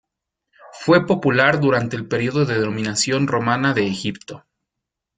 Fue popular durante el período de dominación romana de Egipto.